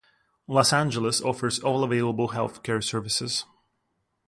Los Angeles offers all available health care services.